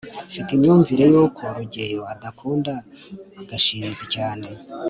mfite imyumvire yuko rugeyo adakunda gashinzi cyane